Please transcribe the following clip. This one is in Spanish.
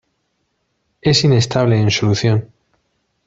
Es inestable en solución.